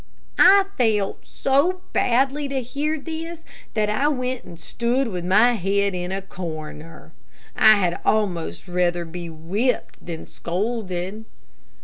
I felt so badly to hear this that I went and stood with my head in a corner. I had almost rather be whipped than scolded.